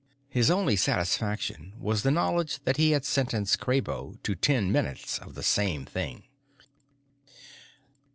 His only satisfaction was the knowledge that he had sentenced Kraybo to ten minutes of the same thing.